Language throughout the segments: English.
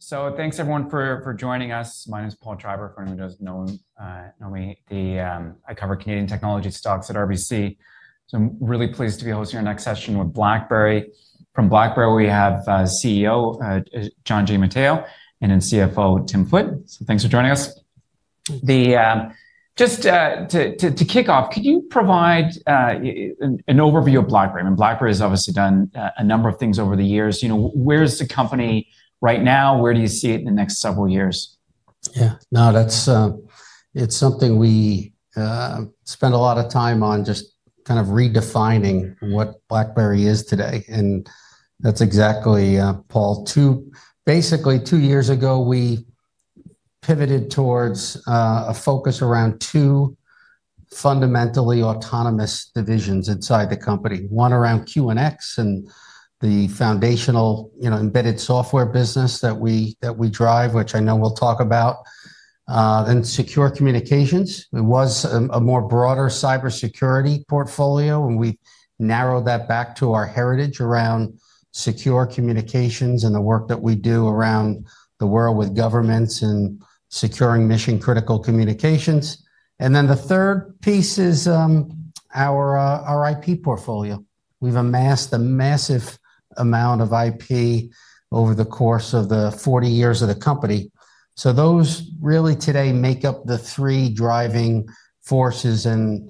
Thanks, everyone, for joining us. My name is Paul Treiber, for anyone who does not know me. I cover Canadian technology stocks at RBC. I am really pleased to be hosting our next session with BlackBerry. From BlackBerry, we have CEO John Giamatteo and CFO Tim Foote. Thanks for joining us. Just to kick off, could you provide an overview of BlackBerry? I mean, BlackBerry has obviously done a number of things over the years. Where is the company right now? Where do you see it in the next several years? Yeah, no, it's something we spend a lot of time on just kind of redefining what BlackBerry is today. That's exactly, Paul. Basically, two years ago, we pivoted towards a focus around two fundamentally autonomous divisions inside the company: one around QNX and the foundational embedded software business that we drive, which I know we'll talk about, and secure communications. It was a more broader cybersecurity portfolio, and we narrowed that back to our heritage around secure communications and the work that we do around the world with governments and securing mission-critical communications. The third piece is our IP portfolio. We've amassed a massive amount of IP over the course of the 40 years of the company. Those really today make up the three driving forces and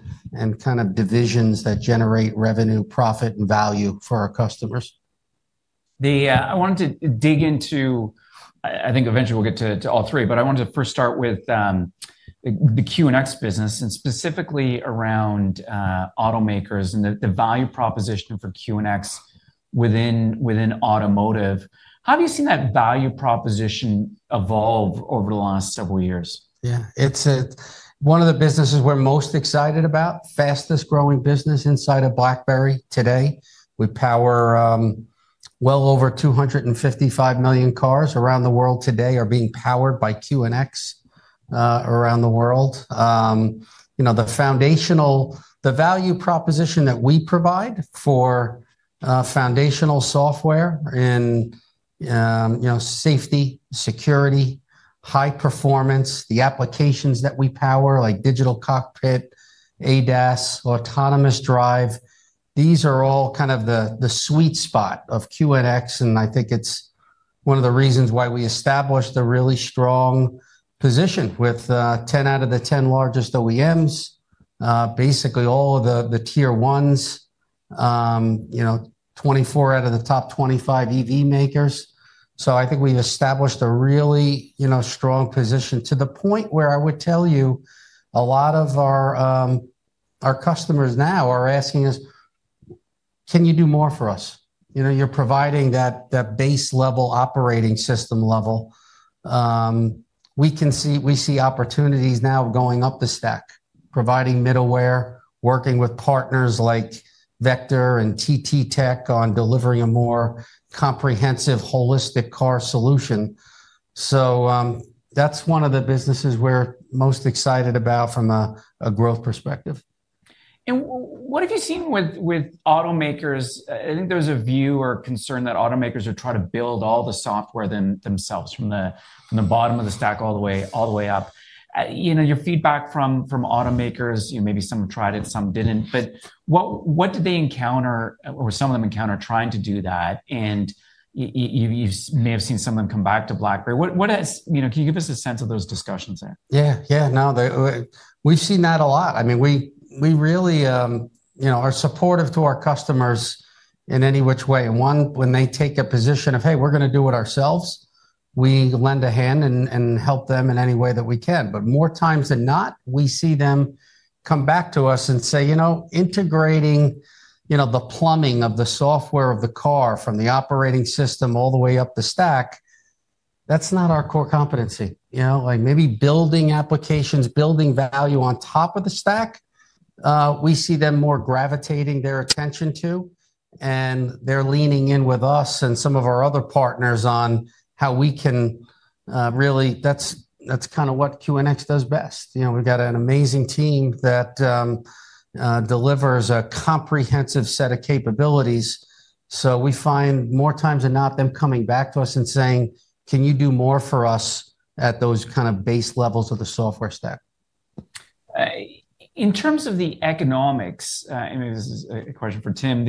kind of divisions that generate revenue, profit, and value for our customers. I wanted to dig into, I think eventually we'll get to all three, but I wanted to first start with the QNX business and specifically around automakers and the value proposition for QNX within automotive. How have you seen that value proposition evolve over the last several years? Yeah, it's one of the businesses we're most excited about, fastest-growing business inside of BlackBerry today. We power well over 255 million cars around the world today that are being powered by QNX around the world. The value proposition that we provide for foundational software in safety, security, high performance, the applications that we power, like digital cockpit, ADAS, autonomous drive, these are all kind of the sweet spot of QNX. I think it's one of the reasons why we established a really strong position with 10 out of the 10 largest OEMs, basically all of the tier ones, 24 out of the top 25 EV makers. I think we've established a really strong position to the point where I would tell you a lot of our customers now are asking us, "Can you do more for us?" You're providing that base level operating system level. We see opportunities now going up the stack, providing middleware, working with partners like Vector and TTTech on delivering a more comprehensive, holistic car solution. That's one of the businesses we're most excited about from a growth perspective. What have you seen with automakers? I think there is a view or concern that automakers are trying to build all the software themselves from the bottom of the stack all the way up. Your feedback from automakers, maybe some have tried it, some did not, but what did they encounter, or some of them encounter trying to do that? You may have seen some of them come back to BlackBerry. Can you give us a sense of those discussions there? Yeah, yeah, no, we've seen that a lot. I mean, we really are supportive to our customers in any which way. One, when they take a position of, "Hey, we're going to do it ourselves," we lend a hand and help them in any way that we can. More times than not, we see them come back to us and say, "Integrating the plumbing of the software of the car from the operating system all the way up the stack, that's not our core competency." Maybe building applications, building value on top of the stack, we see them more gravitating their attention to. They're leaning in with us and some of our other partners on how we can really, that's kind of what QNX does best. We've got an amazing team that delivers a comprehensive set of capabilities. We find more times than not them coming back to us and saying, "Can you do more for us at those kind of base levels of the software stack? In terms of the economics, and this is a question for Tim,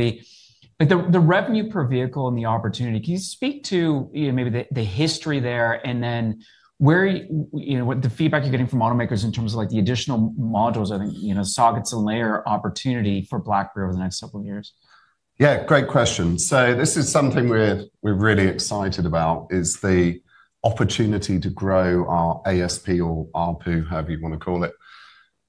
the revenue per vehicle and the opportunity, can you speak to maybe the history there and then the feedback you're getting from automakers in terms of the additional modules, I think, sockets and layer opportunity for BlackBerry over the next several years? Yeah, great question. This is something we're really excited about, is the opportunity to grow our ASP or ARPU, however you want to call it.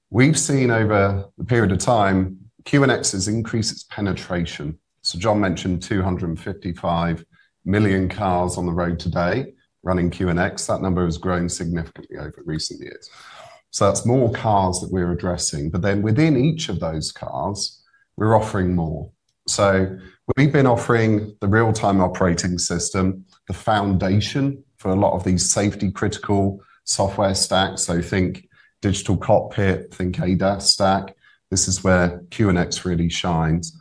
We've seen over the period of time, QNX has increased its penetration. John mentioned 255 million cars on the road today running QNX. That number has grown significantly over recent years. That's more cars that we're addressing. Within each of those cars, we're offering more. We've been offering the real-time operating system, the foundation for a lot of these safety-critical software stacks. Think digital cockpit, think ADAS stack. This is where QNX really shines.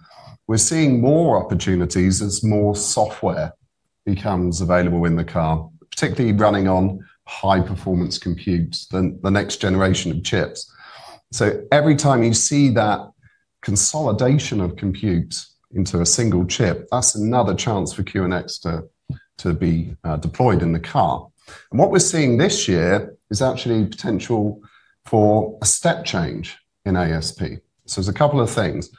We're seeing more opportunities as more software becomes available in the car, particularly running on high-performance compute, the next generation of chips. Every time you see that consolidation of compute into a single chip, that's another chance for QNX to be deployed in the car. What we're seeing this year is actually potential for a step change in ASP. There are a couple of things.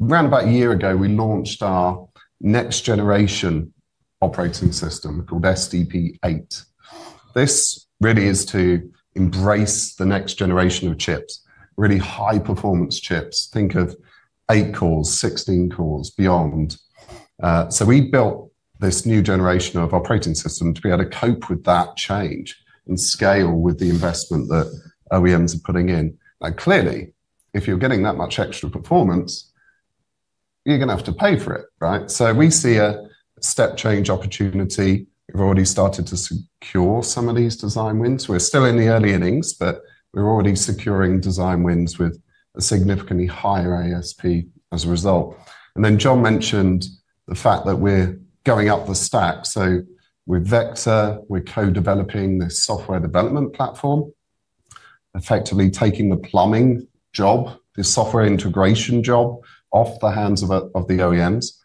Around about a year ago, we launched our next-generation operating system called SDP8. This really is to embrace the next generation of chips, really high-performance chips. Think of eight cores, 16 cores, beyond. We built this new generation of operating system to be able to cope with that change and scale with the investment that OEMs are putting in. Now, clearly, if you're getting that much extra performance, you're going to have to pay for it, right? We see a step change opportunity. We've already started to secure some of these design wins. We're still in the early innings, but we're already securing design wins with a significantly higher ASP as a result. John mentioned the fact that we're going up the stack. With Vector, we're co-developing this software development platform, effectively taking the plumbing job, the software integration job off the hands of the OEMs.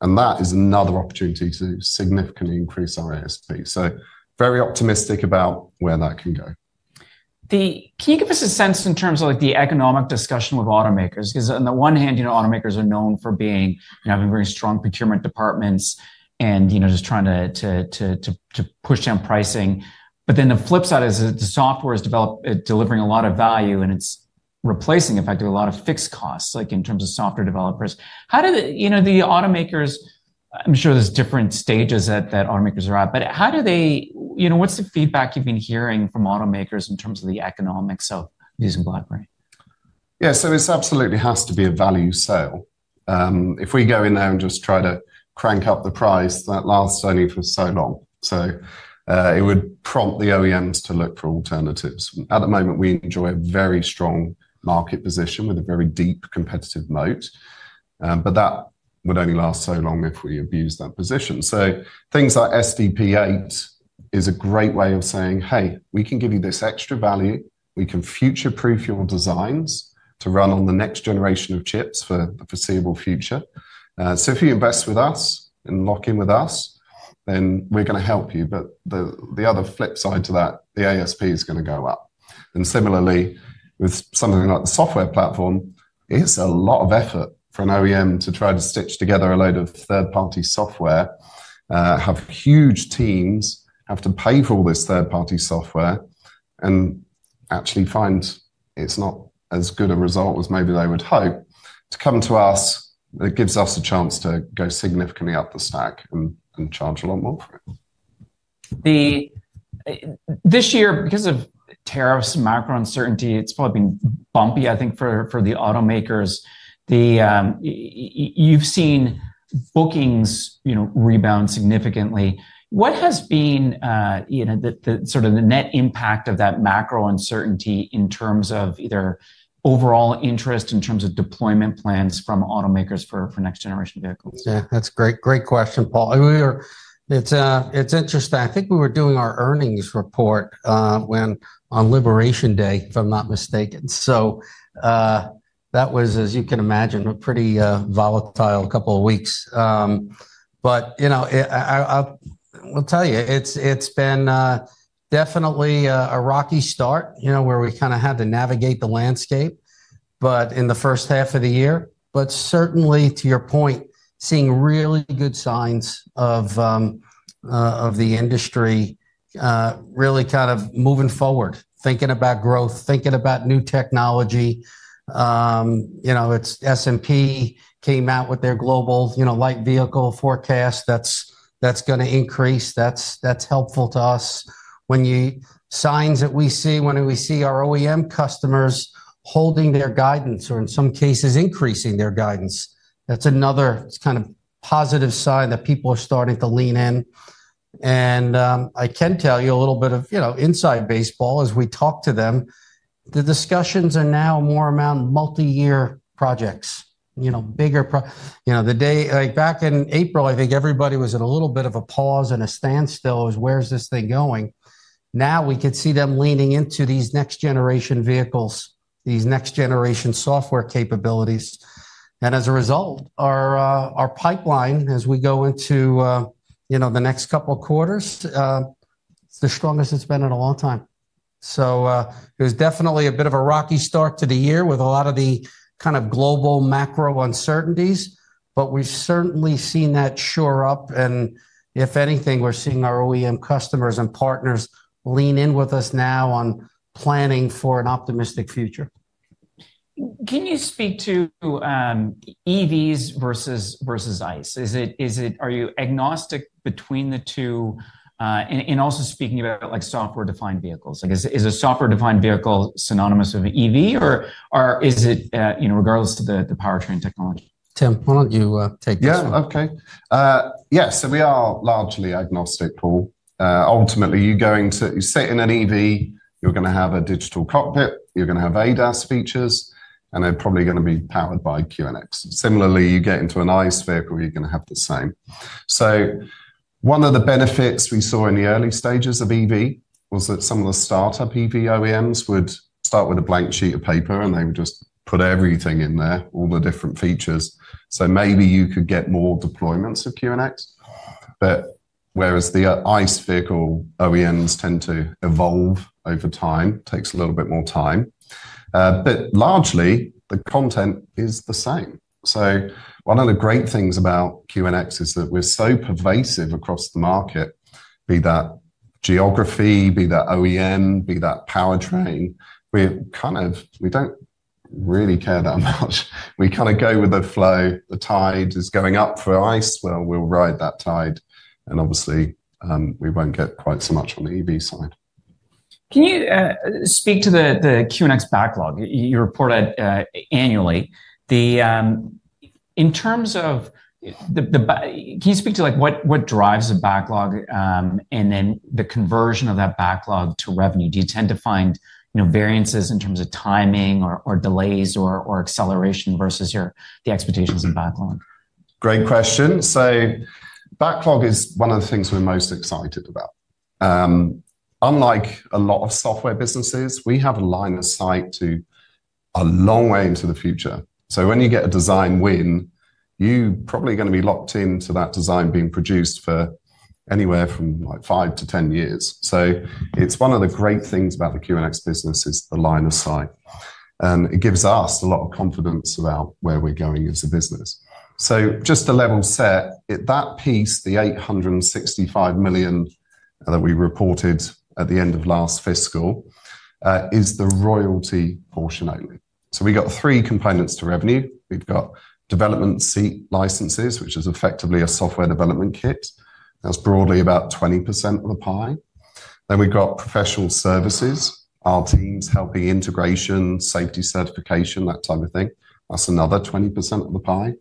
That is another opportunity to significantly increase our ASP. Very optimistic about where that can go. Can you give us a sense in terms of the economic discussion with automakers? Because on the one hand, automakers are known for having very strong procurement departments and just trying to push down pricing. The flip side is the software is delivering a lot of value, and it's replacing effectively a lot of fixed costs, like in terms of software developers. The automakers, I'm sure there's different stages that automakers are at, but what's the feedback you've been hearing from automakers in terms of the economics of using BlackBerry? Yeah, so it absolutely has to be a value sale. If we go in there and just try to crank up the price, that lasts only for so long. It would prompt the OEMs to look for alternatives. At the moment, we enjoy a very strong market position with a very deep competitive moat. That would only last so long if we abuse that position. Things like SDP8 is a great way of saying, "Hey, we can give you this extra value. We can future-proof your designs to run on the next generation of chips for the foreseeable future. If you invest with us and lock in with us, then we're going to help you." The other flip side to that, the ASP is going to go up. Similarly, with something like the software platform, it's a lot of effort for an OEM to try to stitch together a load of third-party software, have huge teams, have to pay for all this third-party software, and actually find it's not as good a result as maybe they would hope. To come to us, it gives us a chance to go significantly up the stack and charge a lot more for it. This year, because of tariffs and macro uncertainty, it's probably been bumpy, I think, for the automakers. You've seen bookings rebound significantly. What has been sort of the net impact of that macro uncertainty in terms of either overall interest, in terms of deployment plans from automakers for next-generation vehicles? Yeah, that's a great question, Paul. It's interesting. I think we were doing our earnings report on Liberation Day, if I'm not mistaken. That was, as you can imagine, a pretty volatile couple of weeks. I will tell you, it's been definitely a rocky start where we kind of had to navigate the landscape in the first half of the year. Certainly, to your point, seeing really good signs of the industry really kind of moving forward, thinking about growth, thinking about new technology. S&P came out with their global light vehicle forecast. That's going to increase. That's helpful to us. Signs that we see when we see our OEM customers holding their guidance or, in some cases, increasing their guidance. That's another kind of positive sign that people are starting to lean in. I can tell you a little bit of inside baseball as we talk to them. The discussions are now more around multi-year projects, bigger projects. Back in April, I think everybody was in a little bit of a pause and a standstill. It was, "Where's this thing going?" Now we could see them leaning into these next-generation vehicles, these next-generation software capabilities. As a result, our pipeline, as we go into the next couple of quarters, is the strongest it has been in a long time. It was definitely a bit of a rocky start to the year with a lot of the kind of global macro uncertainties. We have certainly seen that shore up. If anything, we are seeing our OEM customers and partners lean in with us now on planning for an optimistic future. Can you speak to EVs versus ICE? Are you agnostic between the two? Also, speaking about software-defined vehicles, is a software-defined vehicle synonymous with EV, or is it regardless of the powertrain technology? Tim, why don't you take this one? Yeah, okay. Yeah, we are largely agnostic, Paul. Ultimately, you're going to sit in an EV, you're going to have a digital cockpit, you're going to have ADAS features, and they're probably going to be powered by QNX. Similarly, you get into an ICE vehicle, you're going to have the same. One of the benefits we saw in the early stages of EV was that some of the startup EV OEMs would start with a blank sheet of paper, and they would just put everything in there, all the different features. Maybe you could get more deployments of QNX. Whereas the ICE vehicle OEMs tend to evolve over time, it takes a little bit more time. Largely, the content is the same. One of the great things about QNX is that we're so pervasive across the market, be that geography, be that OEM, be that powertrain, we don't really care that much. We kind of go with the flow. The tide is going up for ICE. We'll ride that tide. Obviously, we won't get quite so much on the EV side. Can you speak to the QNX backlog? You report it annually. In terms of, can you speak to what drives a backlog and then the conversion of that backlog to revenue? Do you tend to find variances in terms of timing or delays or acceleration versus the expectations of backlog? Great question. Backlog is one of the things we're most excited about. Unlike a lot of software businesses, we have a line of sight to a long way into the future. When you get a design win, you're probably going to be locked into that design being produced for anywhere from five to ten years. One of the great things about the QNX business is the line of sight. It gives us a lot of confidence about where we're going as a business. Just to level set, that piece, the $865 million that we reported at the end of last fiscal, is the royalty portion only. We've got three components to revenue. We've got development seat licenses, which is effectively a software development kit. That's broadly about 20% of the pie. We have professional services, our teams helping integration, safety certification, that type of thing. That is another 20% of the pie.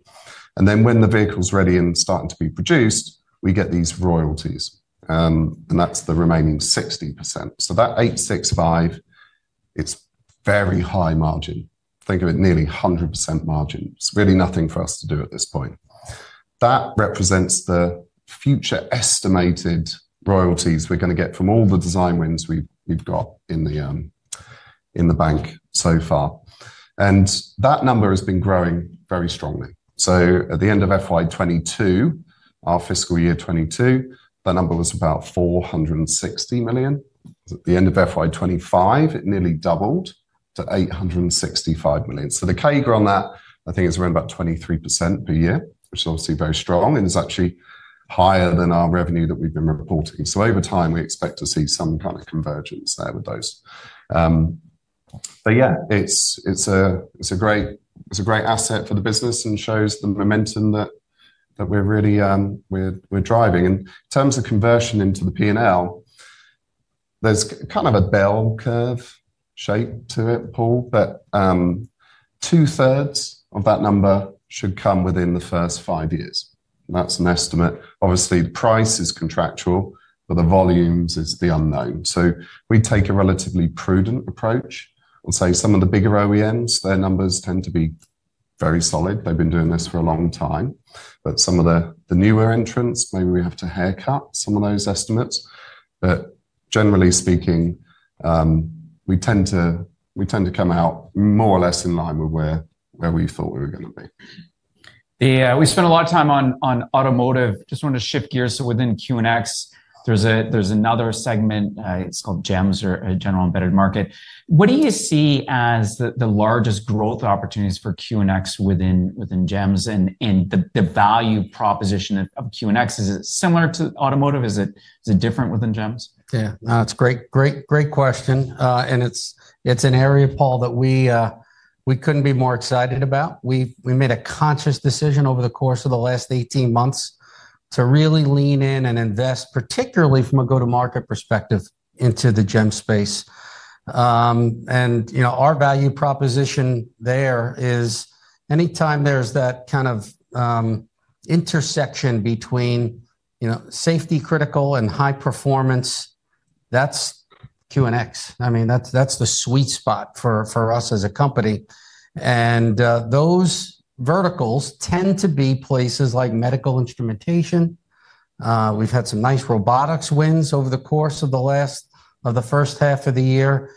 When the vehicle is ready and starting to be produced, we get these royalties. That is the remaining 60%. That $865 million, it is very high margin. Think of it as nearly 100% margin. It is really nothing for us to do at this point. That represents the future estimated royalties we are going to get from all the design wins we have in the bank so far. That number has been growing very strongly. At the end of fiscal year 2022, that number was about $460 million. At the end of fiscal year 2025, it nearly doubled to $865 million. The CAGR on that, I think it is around 23% per year, which is obviously very strong and is actually higher than our revenue that we have been reporting. Over time, we expect to see some kind of convergence there with those. Yeah, it's a great asset for the business and shows the momentum that we're driving. In terms of conversion into the P&L, there's kind of a bell curve shape to it, Paul, that two-thirds of that number should come within the first five years. That's an estimate. Obviously, price is contractual, but the volumes is the unknown. We take a relatively prudent approach. I'll say some of the bigger OEMs, their numbers tend to be very solid. They've been doing this for a long time. Some of the newer entrants, maybe we have to haircut some of those estimates. Generally speaking, we tend to come out more or less in line with where we thought we were going to be. We spent a lot of time on automotive. Just wanted to shift gears. Within QNX, there's another segment. It's called GEMS or General Embedded Market. What do you see as the largest growth opportunities for QNX within GEMS? The value proposition of QNX, is it similar to automotive? Is it different within GEMS? Yeah, that's a great question. It's an area, Paul, that we couldn't be more excited about. We made a conscious decision over the course of the last 18 months to really lean in and invest, particularly from a go-to-market perspective, into the GEMS space. Our value proposition there is anytime there's that kind of intersection between safety-critical and high performance, that's QNX. I mean, that's the sweet spot for us as a company. Those verticals tend to be places like medical instrumentation. We've had some nice robotics wins over the course of the first half of the year.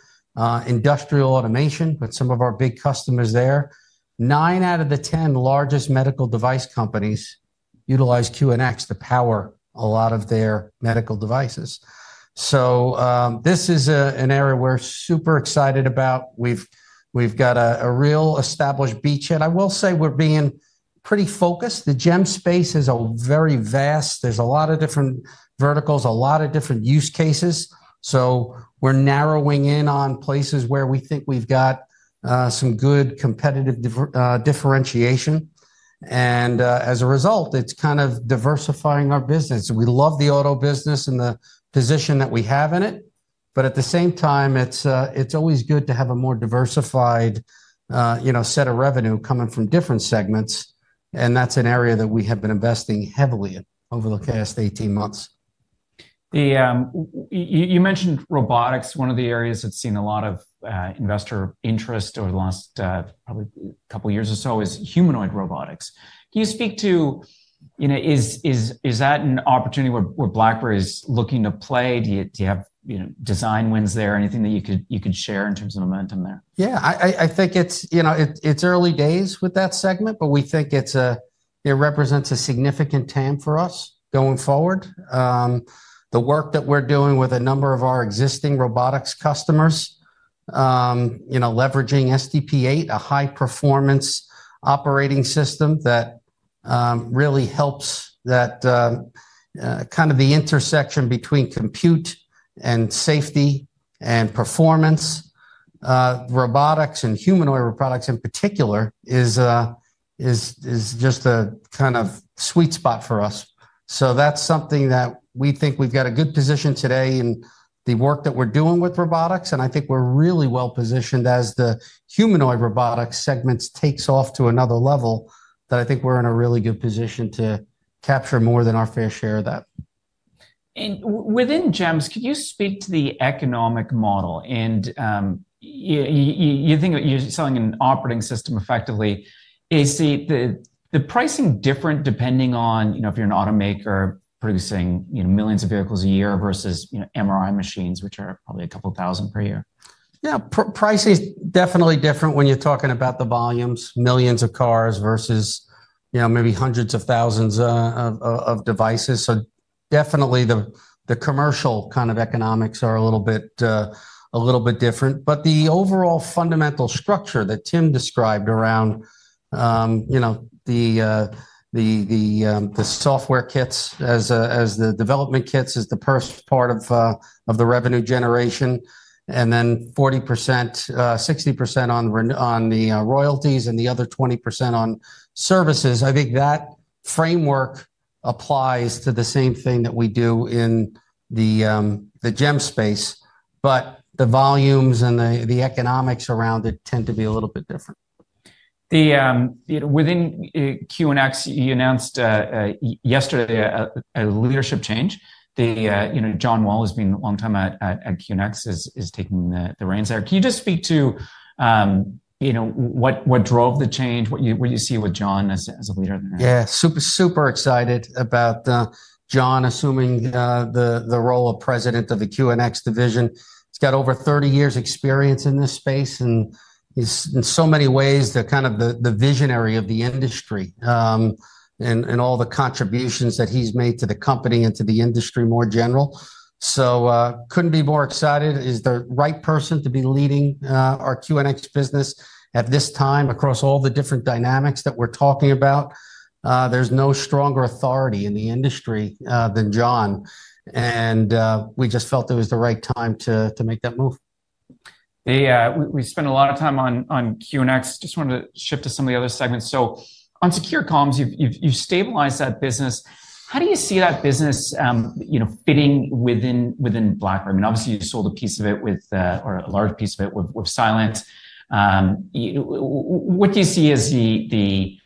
Industrial automation with some of our big customers there. Nine out of the ten largest medical device companies utilize QNX to power a lot of their medical devices. This is an area we're super excited about. We've got a real established beachhead. I will say we're being pretty focused. The GEMS space is very vast. There's a lot of different verticals, a lot of different use cases. We are narrowing in on places where we think we've got some good competitive differentiation. As a result, it's kind of diversifying our business. We love the auto business and the position that we have in it. At the same time, it's always good to have a more diversified set of revenue coming from different segments. That's an area that we have been investing heavily in over the past 18 months. You mentioned robotics. One of the areas that's seen a lot of investor interest over the last probably couple of years or so is humanoid robotics. Can you speak to, is that an opportunity where BlackBerry is looking to play? Do you have design wins there? Anything that you could share in terms of momentum there? Yeah, I think it's early days with that segment, but we think it represents a significant time for us going forward. The work that we're doing with a number of our existing robotics customers, leveraging SDP8, a high-performance operating system that really helps that kind of the intersection between compute and safety and performance, robotics and humanoid robotics in particular, is just a kind of sweet spot for us. That is something that we think we've got a good position today in the work that we're doing with robotics. I think we're really well positioned as the humanoid robotics segment takes off to another level that I think we're in a really good position to capture more than our fair share of that. Within GEMS, could you speak to the economic model? You're selling an operating system effectively. Is the pricing different depending on if you're an automaker producing millions of vehicles a year versus MRI machines, which are probably a couple of thousand per year? Yeah, price is definitely different when you're talking about the volumes, millions of cars versus maybe hundreds of thousands of devices. Price is definitely different. The commercial kind of economics are a little bit different. The overall fundamental structure that Tim described around the software kits as the development kits is the first part of the revenue generation, and then 40%-60% on the royalties and the other 20% on services. I think that framework applies to the same thing that we do in the GEMS space, but the volumes and the economics around it tend to be a little bit different. Within QNX, you announced yesterday a leadership change. John Wall, who's been a long time at QNX, is taking the reins there. Can you just speak to what drove the change, what you see with John as a leader there? Yeah, super excited about John assuming the role of President of the QNX division. He's got over 30 years' experience in this space. And in so many ways, the kind of the visionary of the industry and all the contributions that he's made to the company and to the industry more general. So couldn't be more excited. He's the right person to be leading our QNX business at this time across all the different dynamics that we're talking about. There's no stronger authority in the industry than John. And we just felt it was the right time to make that move. We spent a lot of time on QNX. Just wanted to shift to some of the other segments. So on Secure Comms, you've stabilized that business. How do you see that business fitting within BlackBerry? I mean, obviously, you sold a piece of it, or a large piece of it, with Silent. What do you see as the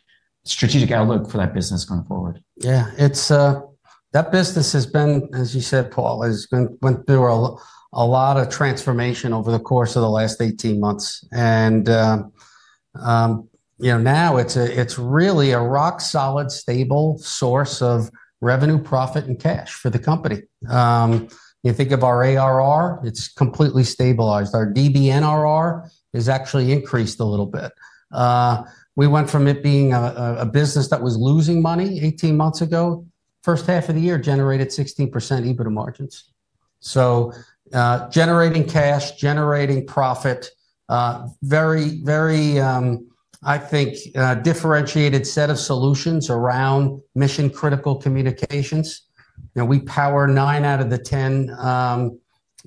strategic outlook for that business going forward? Yeah, that business has been, as you said, Paul, has went through a lot of transformation over the course of the last 18 months. Now it's really a rock-solid, stable source of revenue, profit, and cash for the company. You think of our ARR, it's completely stabilized. Our DBNRR has actually increased a little bit. We went from it being a business that was losing money 18 months ago, first half of the year generated 16% EBITDA margins. Generating cash, generating profit, very, very, I think, differentiated set of solutions around mission-critical communications. We power nine out of the ten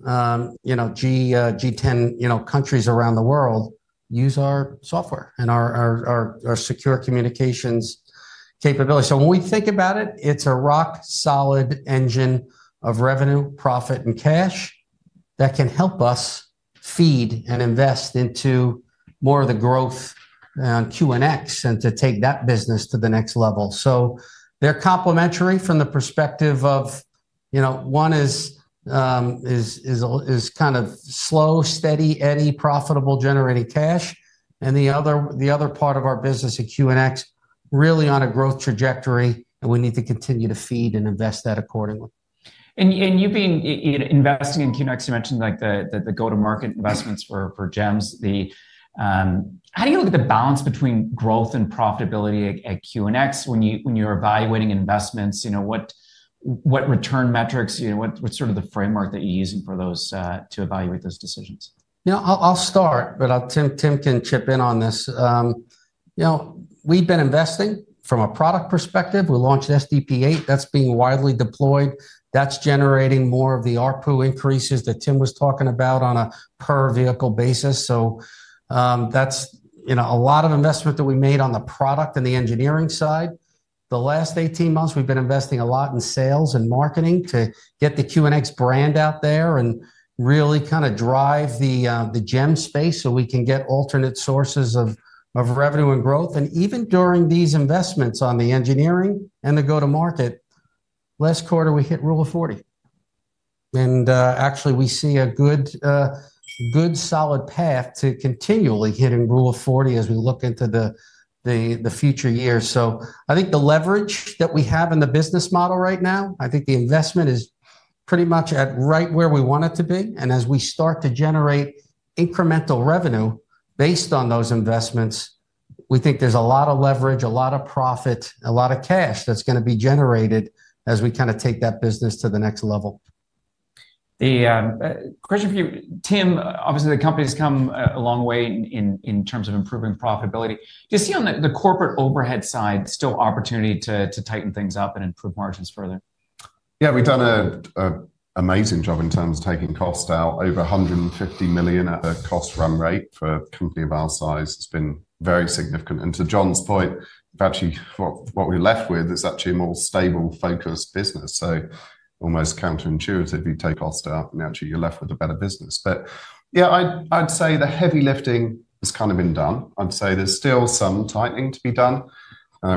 G10 countries around the world use our software and our secure communications capability. When we think about it, it's a rock-solid engine of revenue, profit, and cash that can help us feed and invest into more of the growth on QNX and to take that business to the next level. They're complementary from the perspective of one is kind of slow, steady, eddy, profitable, generating cash. The other part of our business at QNX, really on a growth trajectory, and we need to continue to feed and invest that accordingly. You've been investing in QNX. You mentioned the go-to-market investments for GEMS. How do you look at the balance between growth and profitability at QNX when you're evaluating investments? What return metrics? What's sort of the framework that you're using to evaluate those decisions? I'll start, but Tim can chip in on this. We've been investing from a product perspective. We launched SDP8. That's being widely deployed. That's generating more of the ARPU increases that Tim was talking about on a per-vehicle basis. That is a lot of investment that we made on the product and the engineering side. The last 18 months, we've been investing a lot in sales and marketing to get the QNX brand out there and really kind of drive the GEMS space so we can get alternate sources of revenue and growth. Even during these investments on the engineering and the go-to-market, last quarter, we hit rule of 40. Actually, we see a good, solid path to continually hitting rule of 40 as we look into the future years. I think the leverage that we have in the business model right now, I think the investment is pretty much at right where we want it to be. As we start to generate incremental revenue based on those investments, we think there's a lot of leverage, a lot of profit, a lot of cash that's going to be generated as we kind of take that business to the next level. Question for you. Tim, obviously, the company has come a long way in terms of improving profitability. Do you see on the corporate overhead side still opportunity to tighten things up and improve margins further? Yeah, we've done an amazing job in terms of taking costs out. Over $150 million. Cost run rate for a company of our size has been very significant. To John's point, actually, what we're left with is actually a more stable, focused business. Almost counterintuitive, you take costs out and actually you're left with a better business. Yeah, I'd say the heavy lifting has kind of been done. I'd say there's still some tightening to be done.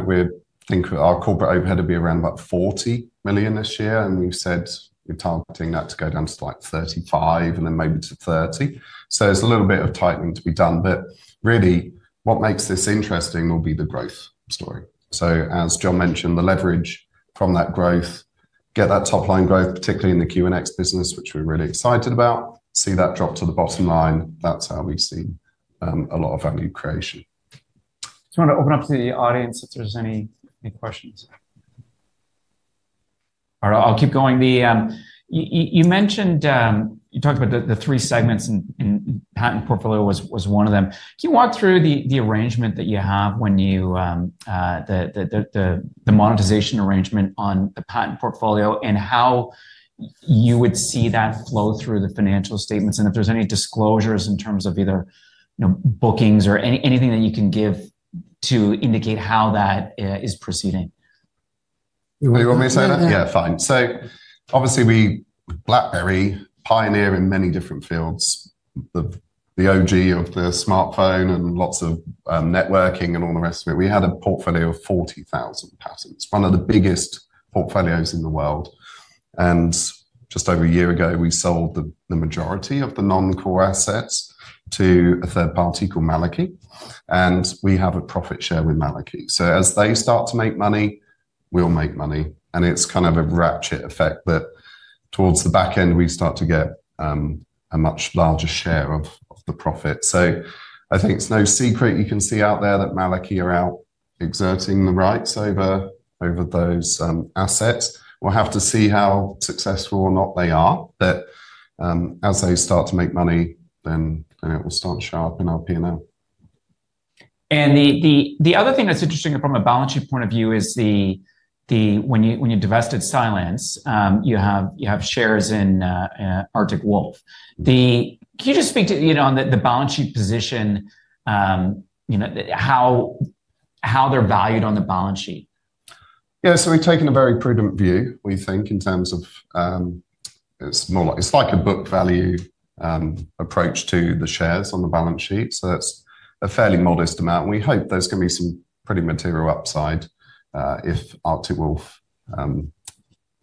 We think our corporate overhead will be around about $40 million this year. We said we're targeting that to go down to like $35 million and then maybe to $30 million. There's a little bit of tightening to be done. Really, what makes this interesting will be the growth story. As John mentioned, the leverage from that growth, get that top-line growth, particularly in the QNX business, which we're really excited about. See that drop to the bottom line. That's how we've seen a lot of value creation. Just want to open up to the audience if there's any questions. All right, I'll keep going. You talked about the three segments, and patent portfolio was one of them. Can you walk through the arrangement that you have when you, the monetization arrangement on the patent portfolio and how you would see that flow through the financial statements? If there's any disclosures in terms of either bookings or anything that you can give to indicate how that is proceeding? You want me to say that? Yeah, fine. Obviously, BlackBerry, pioneer in many different fields, the OG of the smartphone and lots of networking and all the rest of it. We had a portfolio of 40,000 patents, one of the biggest portfolios in the world. Just over a year ago, we sold the majority of the non-core assets to a third party called Malachy. We have a profit share with Malachy. As they start to make money, we'll make money. It is kind of a ratchet effect that towards the back end, we start to get a much larger share of the profit. I think it is no secret you can see out there that Malachy are out exerting the rights over those assets. We'll have to see how successful or not they are. As they start to make money, then it will start showing up in our P&L. The other thing that's interesting from a balance sheet point of view is when you divested Silent, you have shares in Arctic Wolf. Can you just speak to the balance sheet position, how they're valued on the balance sheet? Yeah, so we've taken a very prudent view, we think, in terms of it's like a book value approach to the shares on the balance sheet. That's a fairly modest amount. We hope there's going to be some pretty material upside if Arctic Wolf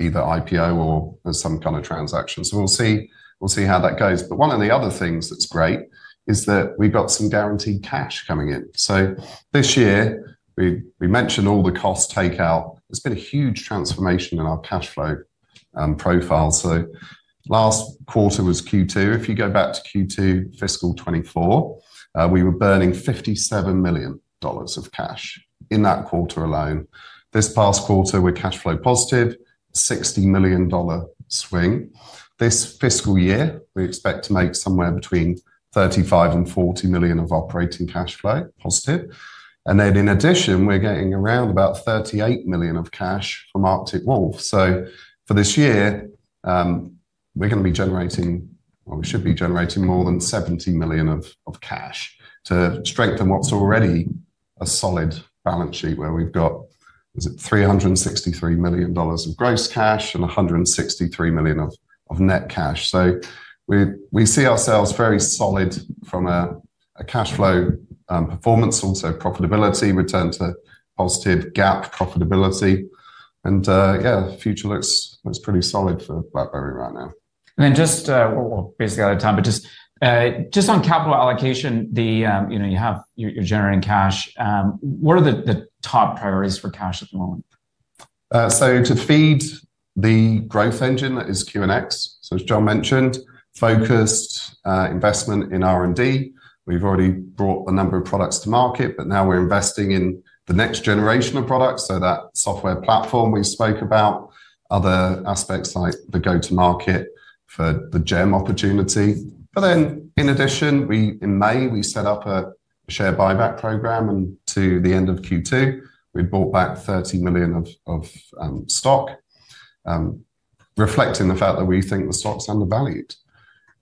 either IPO or some kind of transaction. We'll see how that goes. One of the other things that's great is that we've got some guaranteed cash coming in. This year, we mentioned all the cost takeout. There's been a huge transformation in our cash flow profile. Last quarter was Q2. If you go back to Q2 fiscal 2024, we were burning $57 million of cash in that quarter alone. This past quarter, we're cash flow positive, $60 million swing. This fiscal year, we expect to make somewhere between $35 million and $40 million of operating cash flow positive. In addition, we're getting around about $38 million of cash from Arctic Wolf. For this year, we're going to be generating, or we should be generating, more than $70 million of cash to strengthen what's already a solid balance sheet where we've got, is it $363 million of gross cash and $163 million of net cash. We see ourselves very solid from a cash flow performance, also profitability, return to positive GAAP profitability. Yeah, future looks pretty solid for BlackBerry right now. Just, we'll basically out of time, but just on capital allocation, you're generating cash. What are the top priorities for cash at the moment? To feed the growth engine that is QNX, as John mentioned, focused investment in R&D. We've already brought a number of products to market, but now we're investing in the next generation of products. That software platform we spoke about, other aspects like the go-to-market for the GEM opportunity. In addition, in May, we set up a share buyback program. To the end of Q2, we bought back $30 million of stock, reflecting the fact that we think the stock's undervalued.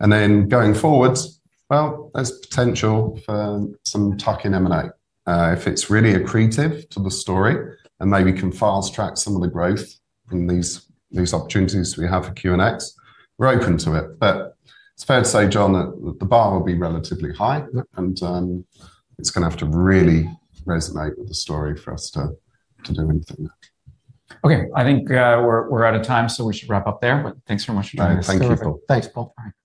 Going forward, there is potential for some tuck-in M&A. If it is really accretive to the story and maybe can fast track some of the growth in these opportunities we have for QNX, we're open to it. It is fair to say, John, that the bar will be relatively high. It is going to have to really resonate with the story for us to do anything. Okay, I think we're out of time, so we should wrap up there. But thanks very much for joining us. Thank you. Thanks, Paul.